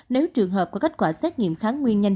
nếu trường hợp có kết quả xét nghiệm kháng nguyên nhanh